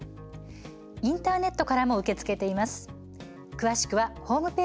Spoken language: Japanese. インターネットからも受け付けています。